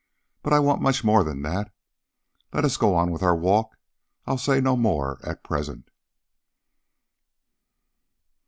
But I want much more than that. Let us go on with our walk. I'll say no more at present."